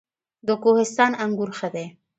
د کوهستان انګور ښه دي